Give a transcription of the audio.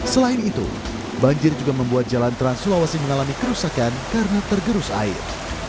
selain itu banjir juga membuat jalan trans sulawesi mengalami kerusakan karena tergerus air